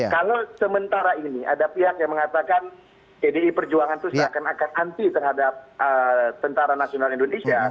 kalau sementara ini ada pihak yang mengatakan pdi perjuangan itu seakan akan anti terhadap tentara nasional indonesia